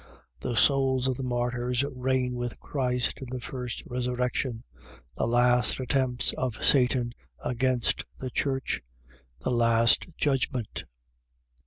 The souls of the martyrs reign with Christ in the first resurrection. The last attempts of Satan against the church. The last judgment.